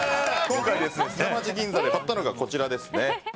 今回、砂町銀座で買ったのがこちらですね。